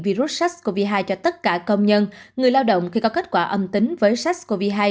virus sars cov hai cho tất cả công nhân người lao động khi có kết quả âm tính với sars cov hai